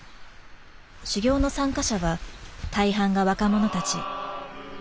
修行の参加者は大半が若者たち。